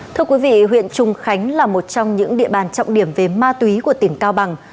thưa quý vị huyện trùng khánh là một trong những địa bàn trọng điểm về ma túy của tỉnh cao bằng